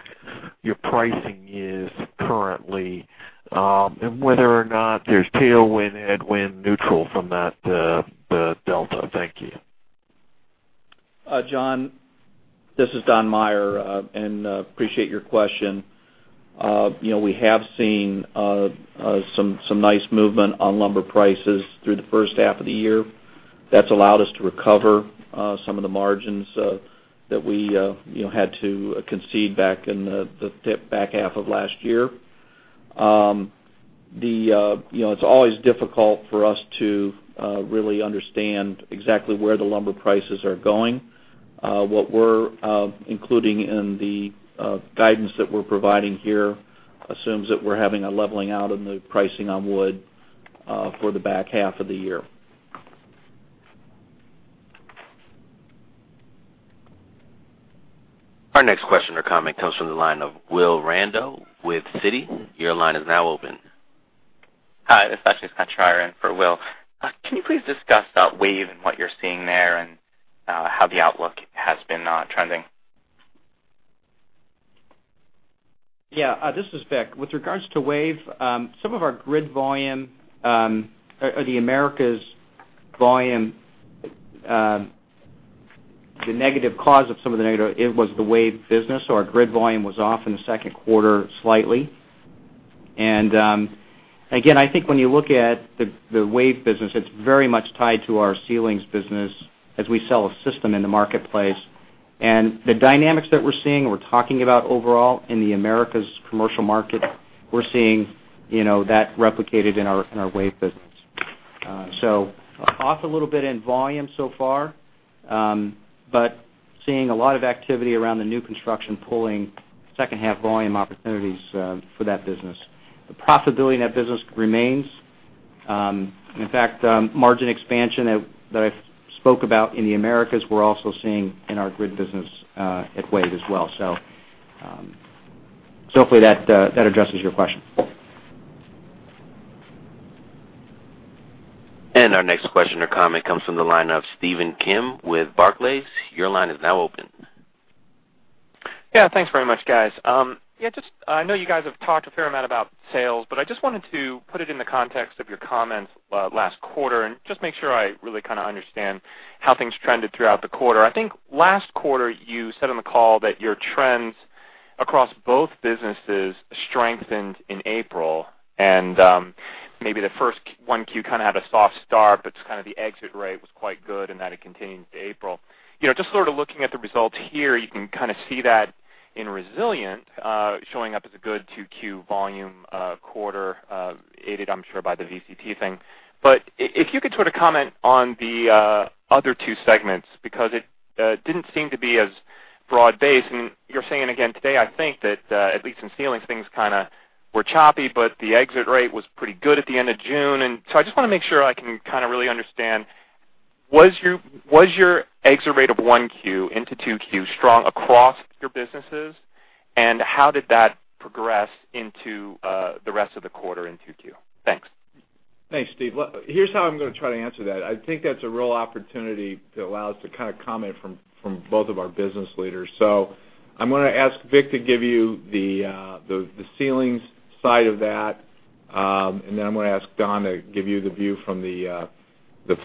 your pricing is currently, and whether or not there's tailwind, headwind, neutral from that delta. Thank you. John, this is Don Maier, and appreciate your question. We have seen some nice movement on lumber prices through the first half of the year. That's allowed us to recover some of the margins that we had to concede back in the back half of last year. It's always difficult for us to really understand exactly where the lumber prices are going. What we're including in the guidance that we're providing here assumes that we're having a leveling out in the pricing on wood for the back half of the year. Our next question or comment comes from the line of Will Randow with Citi. Your line is now open. Hi, this is actually Scott Schrier for Will. Can you please discuss about WAVE and what you're seeing there and how the outlook has been trending? Yeah. This is Vic. With regards to WAVE, some of our grid volume, or the Americas volume, the negative cause of some of the negative, it was the WAVE business. Our grid volume was off in the second quarter slightly. Again, I think when you look at the WAVE business, it's very much tied to our ceilings business as we sell a system in the marketplace. The dynamics that we're seeing, we're talking about overall in the Americas commercial market, we're seeing that replicated in our WAVE business. Off a little bit in volume so far, but seeing a lot of activity around the new construction pulling second half volume opportunities for that business. The profitability in that business remains. In fact, margin expansion that I spoke about in the Americas, we're also seeing in our grid business at WAVE as well. Hopefully that addresses your question. Our next question or comment comes from the line of Stephen Kim with Barclays. Your line is now open. Yeah. Thanks very much, guys. I know you guys have talked a fair amount about sales, I just wanted to put it in the context of your comments last quarter and just make sure I really kind of understand how things trended throughout the quarter. I think last quarter you said on the call that your trends across both businesses strengthened in April, maybe the first 1Q kind of had a soft start, the exit rate was quite good and that it continued into April. Just sort of looking at the results here, you can kind of see that in Resilient, showing up as a good 2Q volume quarter, aided, I'm sure, by the VCT thing. If you could sort of comment on the other two segments, because it didn't seem to be as broad-based. You're saying again today, I think that, at least in ceilings, things kind of were choppy, the exit rate was pretty good at the end of June. I just want to make sure I can kind of really understand, was your exit rate of 1Q into 2Q strong across your businesses, and how did that progress into the rest of the quarter in 2Q? Thanks. Thanks, Steve. Here's how I'm going to try to answer that. I think that's a real opportunity to allow us to kind of comment from both of our business leaders. I'm going to ask Vic to give you the ceilings side of that, I'm going to ask Don to give you the view from the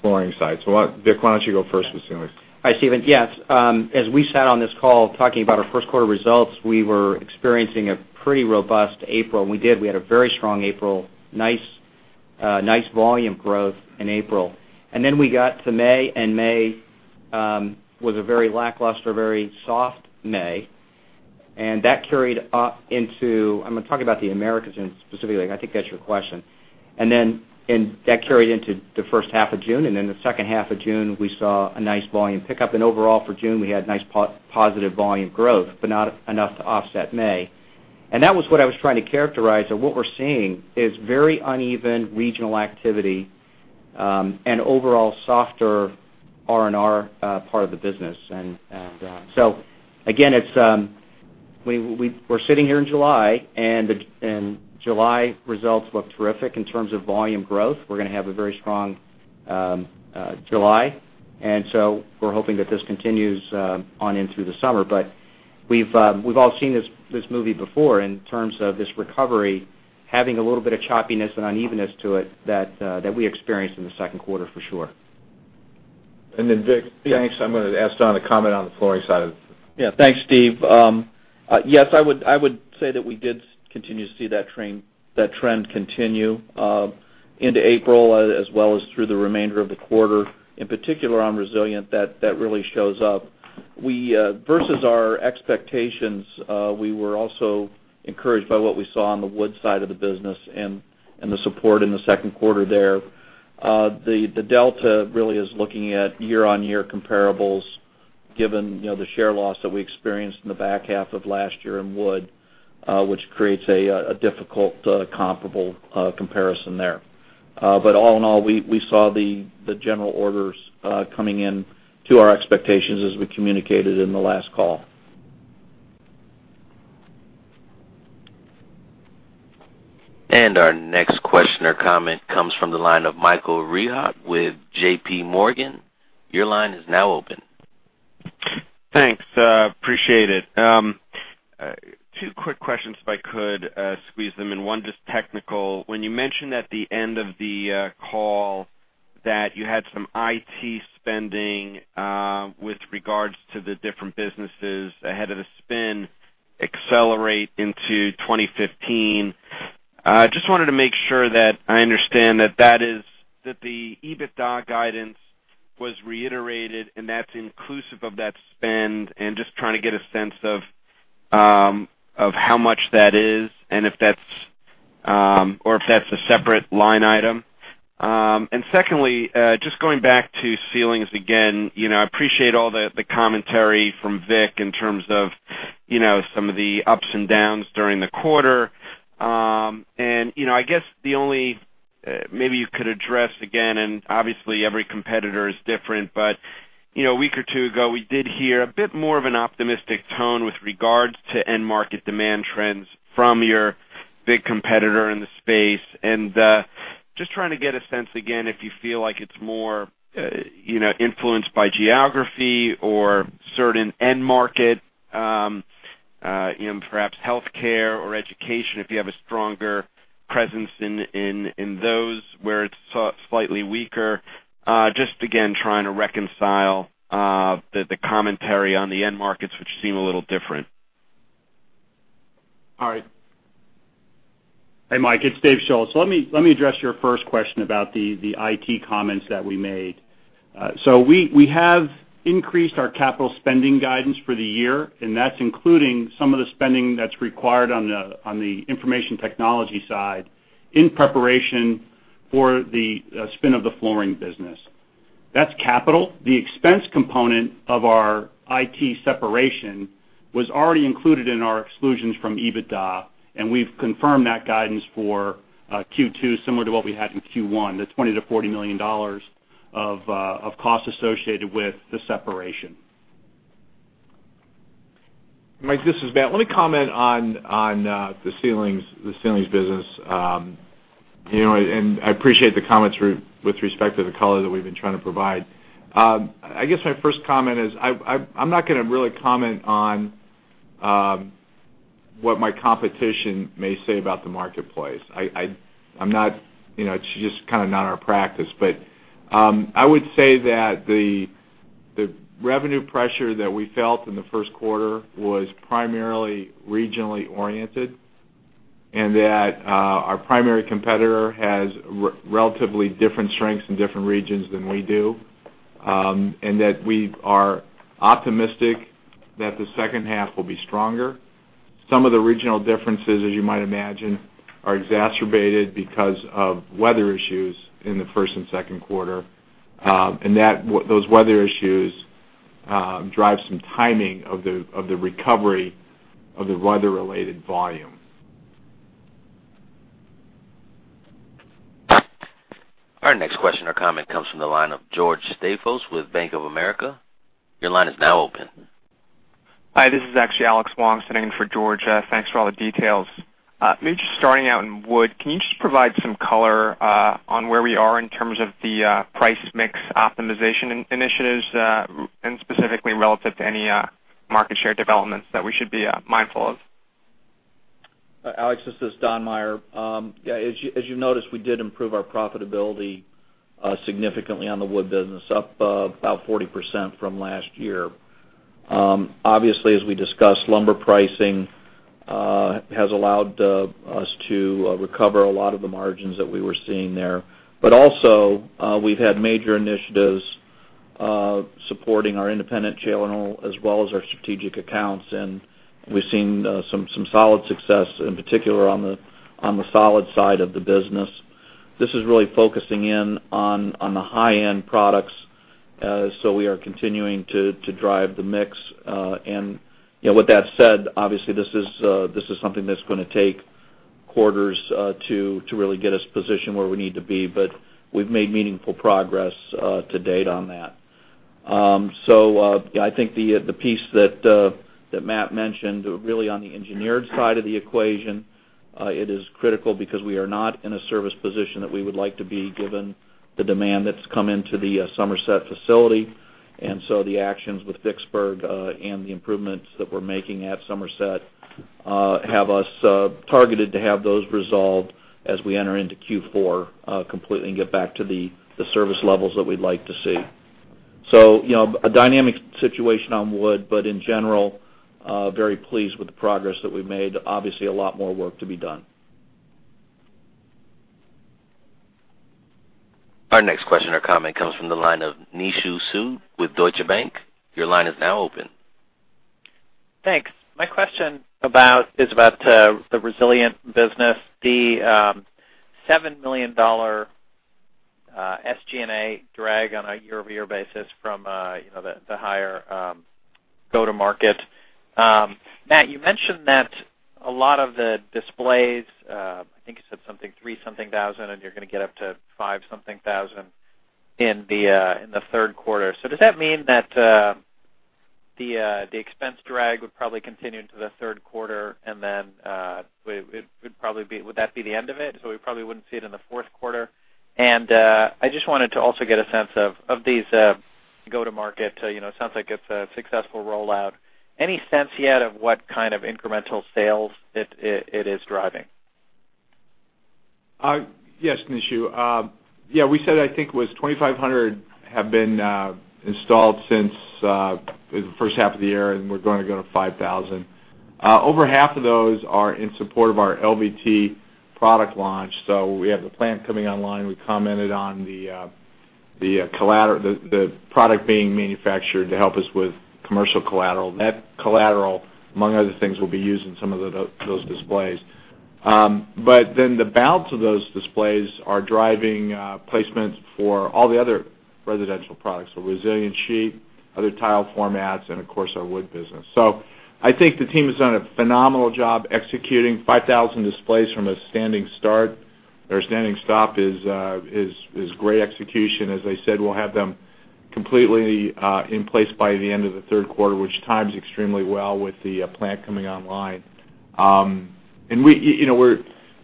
flooring side. Vic, why don't you go first with ceilings? Hi, Stephen. Yes. As we sat on this call talking about our first quarter results, we were experiencing a pretty robust April, and we did. We had a very strong April. Nice volume growth in April. Then we got to May, and May was a very lackluster, very soft May. That carried up into, I'm going to talk about the Americas specifically. I think that's your question. That carried into the first half of June, then the second half of June, we saw a nice volume pickup. Overall for June, we had nice positive volume growth, but not enough to offset May. That was what I was trying to characterize, that what we're seeing is very uneven regional activity, and overall softer R&R part of the business. Again, we're sitting here in July results look terrific in terms of volume growth. We're going to have a very strong July. So we're hoping that this continues on into the summer. We've all seen this movie before in terms of this recovery having a little bit of choppiness and unevenness to it that we experienced in the second quarter for sure. Vic, thanks. I'm going to ask Don to comment on the flooring side of it. Yeah. Thanks, Stephen. Yes, I would say that we did continue to see that trend continue into April as well as through the remainder of the quarter. In particular on Resilient, that really shows up. Versus our expectations, we were also encouraged by what we saw on the wood side of the business and the support in the second quarter there. The delta really is looking at year-over-year comparables Given the share loss that we experienced in the back half of last year in wood, which creates a difficult comparable comparison there. All in all, we saw the general orders coming in to our expectations as we communicated in the last call. Our next question or comment comes from the line of Michael Rehaut with JPMorgan. Your line is now open. Thanks. Appreciate it. Two quick questions if I could squeeze them in, one just technical. When you mentioned at the end of the call that you had some IT spending with regards to the different businesses ahead of the spin accelerate into 2015, just wanted to make sure that I understand that the EBITDA guidance was reiterated and that's inclusive of that spend, and just trying to get a sense of how much that is and if that's a separate line item. Secondly, just going back to ceilings again. I appreciate all the commentary from Vic in terms of some of the ups and downs during the quarter. I guess the only, maybe you could address again, and obviously every competitor is different, but a week or two ago, we did hear a bit more of an optimistic tone with regards to end market demand trends from your big competitor in the space, and just trying to get a sense, again, if you feel like it's more influenced by geography or certain end market, perhaps healthcare or education, if you have a stronger presence in those where it's slightly weaker. Just again, trying to reconcile the commentary on the end markets, which seem a little different. All right. Hey, Mike, it's Dave Schulz. Let me address your first question about the IT comments that we made. We have increased our capital spending guidance for the year, and that's including some of the spending that's required on the information technology side in preparation for the spin of the flooring business. That's capital. The expense component of our IT separation was already included in our exclusions from EBITDA, and we've confirmed that guidance for Q2, similar to what we had in Q1, the $20 million-$40 million of cost associated with the separation. Mike, this is Matt. Let me comment on the ceilings business. I appreciate the comments with respect to the color that we've been trying to provide. I guess my first comment is, I'm not going to really comment on what my competition may say about the marketplace. It's just kind of not our practice. I would say that the revenue pressure that we felt in the first quarter was primarily regionally oriented, and that our primary competitor has relatively different strengths in different regions than we do, and that we are optimistic that the second half will be stronger. Some of the regional differences, as you might imagine, are exacerbated because of weather issues in the first and second quarter. Those weather issues drive some timing of the recovery of the weather-related volume. Our next question or comment comes from the line of George Staphos with Bank of America. Your line is now open. Hi, this is actually Alex Wang sitting in for George. Thanks for all the details. Maybe just starting out in wood, can you just provide some color on where we are in terms of the price mix optimization initiatives and specifically relative to any market share developments that we should be mindful of? Alex, this is Don Maier. As you've noticed, we did improve our profitability significantly on the wood business, up about 40% from last year. Obviously, as we discussed, lumber pricing has allowed us to recover a lot of the margins that we were seeing there. Also, we've had major initiatives supporting our independent channel as well as our strategic accounts, and we've seen some solid success, in particular on the solid side of the business. This is really focusing in on the high-end products, so we are continuing to drive the mix. With that said, obviously, this is something that's going to take quarters to really get us positioned where we need to be, but we've made meaningful progress to date on that. I think the piece that Matt mentioned, really on the engineered side of the equation, it is critical because we are not in a service position that we would like to be, given the demand that's come into the Somerset facility. The actions with Vicksburg, the improvements that we're making at Somerset, have us targeted to have those resolved as we enter into Q4 completely and get back to the service levels that we'd like to see. A dynamic situation on wood, in general, very pleased with the progress that we've made. Obviously, a lot more work to be done. Our next question or comment comes from the line of Nishu Sood with Deutsche Bank. Your line is now open. Thanks. My question is about the resilient business, the $7 million SG&A drag on a year-over-year basis from the higher go-to-market. Matt, you mentioned that a lot of the displays, I think you said something, 3,000 and you're going to get up to 5,000 in the third quarter. Does that mean that the expense drag would probably continue into the third quarter then would that be the end of it? We probably wouldn't see it in the fourth quarter. I just wanted to also get a sense of these go-to-market, sounds like it's a successful rollout. Any sense yet of what kind of incremental sales it is driving? Yes, Nishu. We said, I think it was 2,500 have been installed since the first half of the year, we're going to go to 5,000. Over half of those are in support of our LVT product launch. We have the plant coming online. We commented on the product being manufactured to help us with commercial collateral. That collateral, among other things, will be used in some of those displays. The balance of those displays are driving placements for all the other residential products. Resilient sheet, other tile formats, of course, our wood business. I think the team has done a phenomenal job executing 5,000 displays from a standing start or standing stop is great execution. As I said, we'll have them completely in place by the end of the third quarter, which times extremely well with the plant coming online.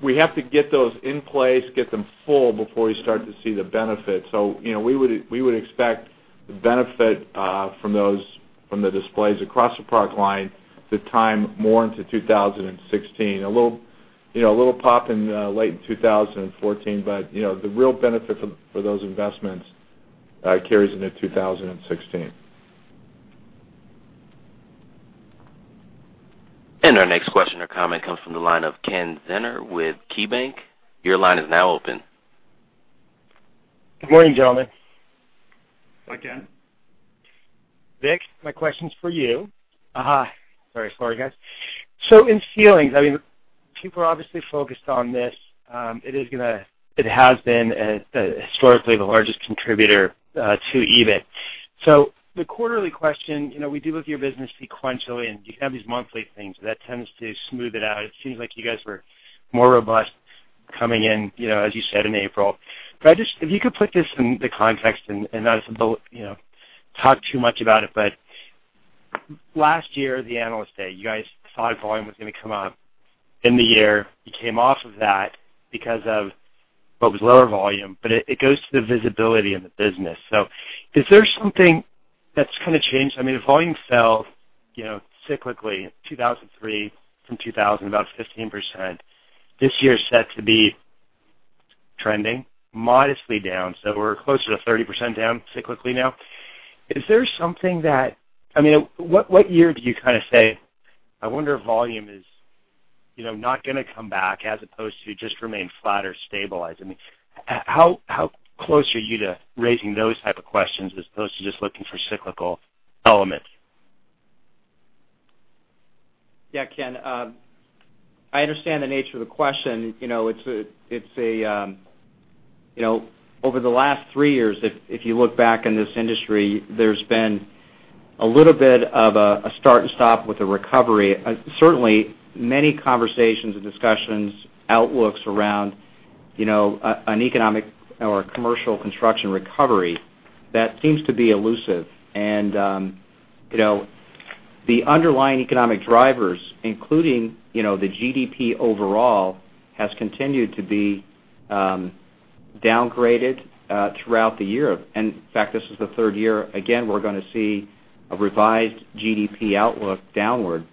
We have to get those in place, get them full before we start to see the benefit. We would expect the benefit from the displays across the product line to time more into 2016. A little pop in late 2014, the real benefit for those investments carries into 2016. Our next question or comment comes from the line of Kenneth Zener with KeyBank. Your line is now open. Good morning, gentlemen. Hi, Ken. Vic, my question's for you. Sorry, guys. In ceilings, people are obviously focused on this. It has been historically the largest contributor to EBIT. The quarterly question, we deal with your business sequentially, and you have these monthly things that tends to smooth it out. It seems like you guys were more robust coming in, as you said in April. If you could put this into context and not talk too much about it, last year, the Analyst Day, you guys thought volume was going to come up in the year. You came off of that because of what was lower volume, it goes to the visibility in the business. Is there something that's kind of changed? Volume fell cyclically 2003 from 2000, about 15%. This year is set to be trending modestly down. We're closer to 30% down cyclically now. What year do you kind of say, I wonder if volume is not going to come back as opposed to just remain flat or stabilized? How close are you to raising those type of questions as opposed to just looking for cyclical elements? Yeah, Ken. I understand the nature of the question. Over the last three years, if you look back in this industry, there's been a little bit of a start and stop with the recovery. Certainly many conversations and discussions, outlooks around an economic or commercial construction recovery that seems to be elusive. The underlying economic drivers, including the GDP overall, has continued to be downgraded throughout the year. In fact, this is the third year, again, we're going to see a revised GDP outlook downward.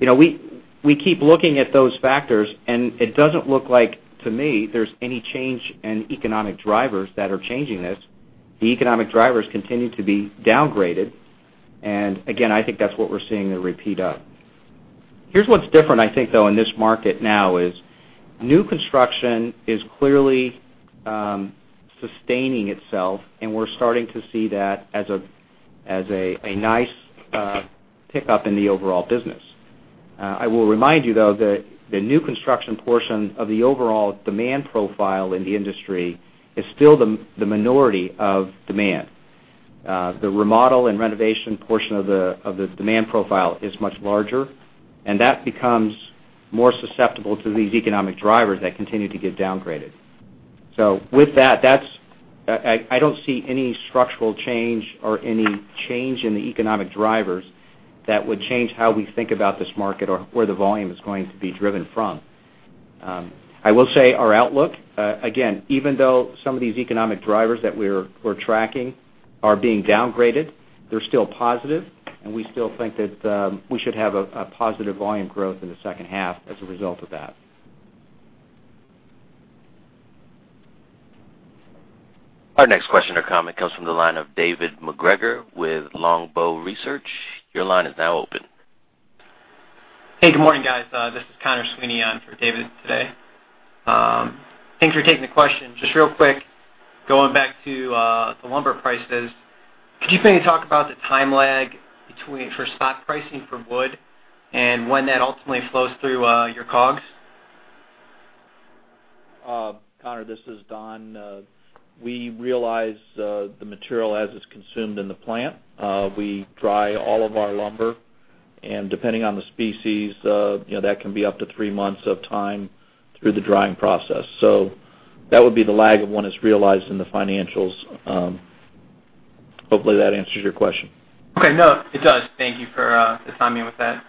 We keep looking at those factors, and it doesn't look like to me there's any change in economic drivers that are changing this. The economic drivers continue to be downgraded. Again, I think that's what we're seeing a repeat of. Here's what's different, I think, though, in this market now is new construction is clearly sustaining itself, and we're starting to see that as a nice pickup in the overall business. I will remind you, though, that the new construction portion of the overall demand profile in the industry is still the minority of demand. The remodel and renovation portion of the demand profile is much larger, and that becomes more susceptible to these economic drivers that continue to get downgraded. With that, I don't see any structural change or any change in the economic drivers that would change how we think about this market or where the volume is going to be driven from. I will say our outlook, again, even though some of these economic drivers that we're tracking are being downgraded, they're still positive, and we still think that we should have a positive volume growth in the second half as a result of that. Our next question or comment comes from the line of David MacGregor with Longbow Research. Your line is now open. Hey, good morning, guys. This is Conor Sweeney on for David today. Thanks for taking the question. Just real quick, going back to the lumber prices, could you maybe talk about the time lag for spot pricing for wood and when that ultimately flows through your COGS? Conor, this is Don. We realize the material as it's consumed in the plant. We dry all of our lumber, and depending on the species, that can be up to three months of time through the drying process. That would be the lag of when it's realized in the financials. Hopefully, that answers your question. Okay. No, it does. Thank you for assigning me with that.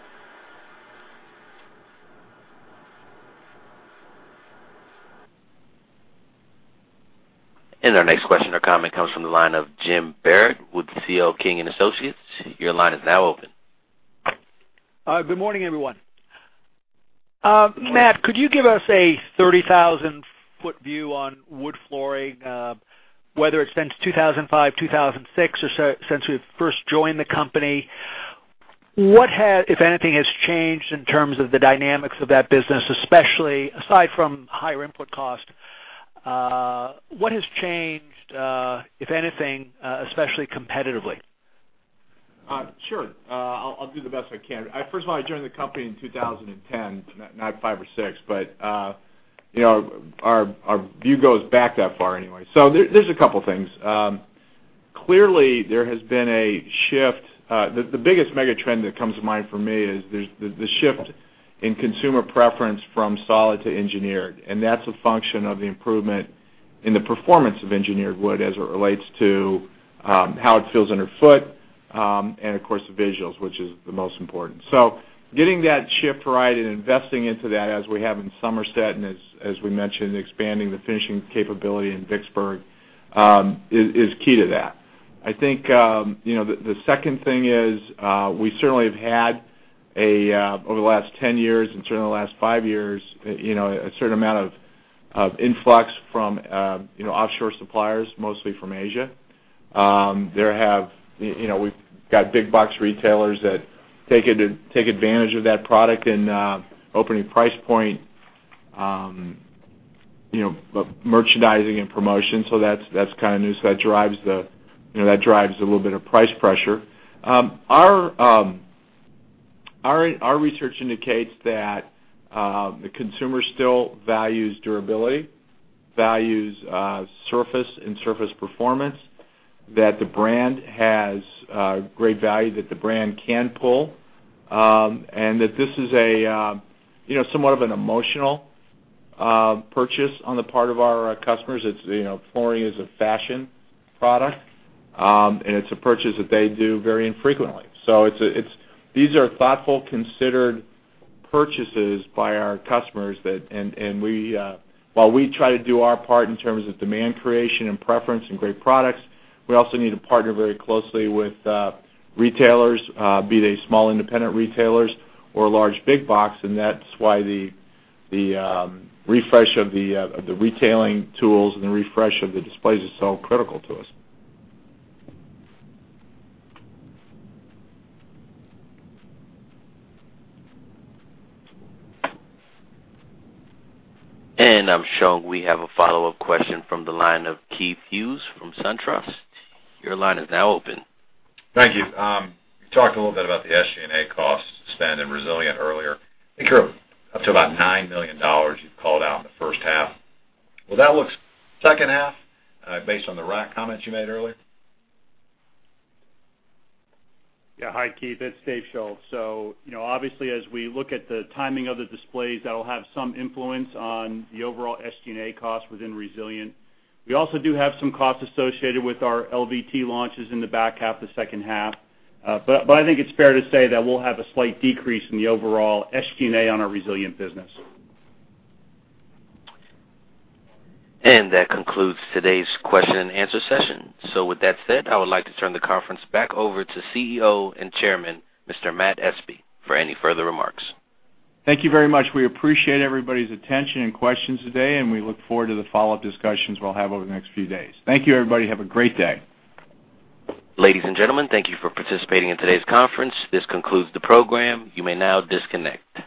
Our next question or comment comes from the line of James Barrett with C.L. King & Associates. Your line is now open. Good morning, everyone. Matt, could you give us a 30,000-foot view on wood flooring, whether it's since 2005, 2006, or since we first joined the company? What, if anything, has changed in terms of the dynamics of that business, aside from higher input cost? What has changed, if anything, especially competitively? Sure. I'll do the best I can. First of all, I joined the company in 2010, not '05 or '06, but our view goes back that far anyway. There's a couple things. Clearly, there has been a shift. The biggest mega trend that comes to mind for me is the shift in consumer preference from solid to engineered, and that's a function of the improvement in the performance of engineered wood as it relates to how it feels underfoot, and of course, the visuals, which is the most important. Getting that shift right and investing into that as we have in Somerset and as we mentioned, expanding the finishing capability in Vicksburg, is key to that. I think the second thing is, we certainly have had, over the last 10 years and certainly the last five years, a certain amount of influx from offshore suppliers, mostly from Asia. We've got big box retailers that take advantage of that product and opening price point merchandising and promotion. That's kind of new. That drives a little bit of price pressure. Our research indicates that the consumer still values durability, values surface and surface performance, that the brand has great value, that the brand can pull, and that this is somewhat of an emotional purchase on the part of our customers. Flooring is a fashion product. It's a purchase that they do very infrequently. These are thoughtful, considered purchases by our customers. While we try to do our part in terms of demand creation and preference and great products, we also need to partner very closely with retailers, be they small independent retailers or large big box, and that's why the refresh of the retailing tools and the refresh of the displays is so critical to us. I'm showing we have a follow-up question from the line of Keith Hughes from SunTrust. Your line is now open. Thank you. You talked a little bit about the SG&A cost spend in Resilient earlier. I think you were up to about $9 million you've called out in the first half. Will that look second half based on the rack comments you made earlier? Hi, Keith. It's Dave Schulz. Obviously as we look at the timing of the displays, that'll have some influence on the overall SG&A cost within Resilient. We also do have some costs associated with our LVT launches in the back half, the second half. I think it's fair to say that we'll have a slight decrease in the overall SG&A on our Resilient business. That concludes today's question and answer session. With that said, I would like to turn the conference back over to CEO and Chairman, Mr. Matthew Espe, for any further remarks. Thank you very much. We appreciate everybody's attention and questions today, and we look forward to the follow-up discussions we'll have over the next few days. Thank you, everybody. Have a great day. Ladies and gentlemen, thank you for participating in today's conference. This concludes the program. You may now disconnect.